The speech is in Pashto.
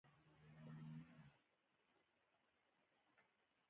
ته غوښې ولې خورې؟ نن جمعه نه ده؟ زمري: نه، نن پنجشنبه ده.